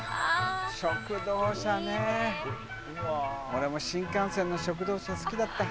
俺も新幹線の食堂車好きだった。